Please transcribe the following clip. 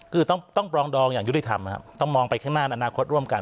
คือต้องปรองดองอย่างยุติธรรมครับต้องมองไปข้างหน้าอนาคตร่วมกัน